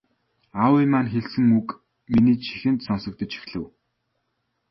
Аавын маань хэлсэн үг миний чихэнд сонсогдож эхлэв.